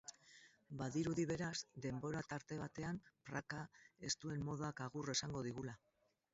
Badirudi, beraz, denbora tarte batean praka estuen modak agur esango digula.